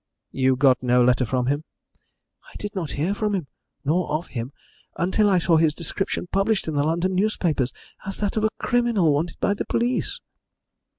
"You got no letter from him?" "I did not hear from him nor of him until I saw his description published in the London newspapers as that of a criminal wanted by the police."